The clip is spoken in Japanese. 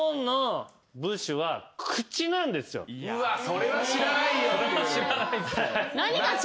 それは知らないよ。